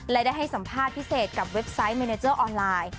และได้ให้สัมภาษณ์พิเศษกับเว็บไซต์เมเนเจอร์ออนไลน์